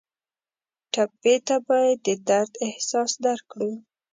ټپي ته باید د درد احساس درکړو.